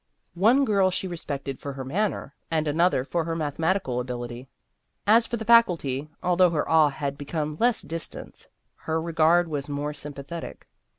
One girl she respected for her manner, and another for her mathematical ability. As for the Faculty, although her awe had become less distant, her regard was more sympathetic.